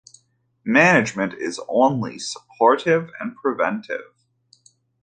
Management is only supportive and preventive.